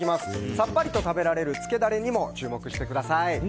さっぱりと食べられるつけダレにも注目してください。